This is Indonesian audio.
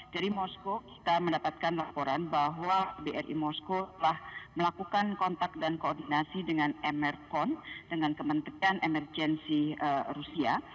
dari moskow kita mendapatkan laporan bahwa bri moskow telah melakukan kontak dan koordinasi dengan mrcon dengan kementerian emergensi rusia